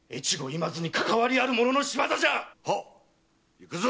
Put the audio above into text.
行くぞ。